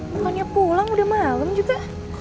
makanya pulang udah malem juga